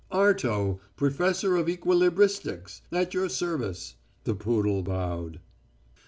"Arto, professor of equilibristics, at your service." The poodle bowed.